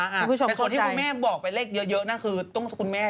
แต่ส่วนที่คุณแม่บอกไปเลขเยอะนะคือต้องคุณแม่